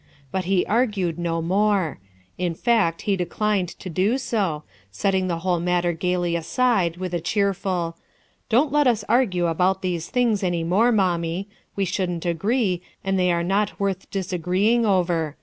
But he argued no more; in fact he declined to do so, setting the whole matter gayly aside, with a cheerful —" Don't let us argue about these things any more, mommie. We shouldn't agree, and they are not worth disagreeing over.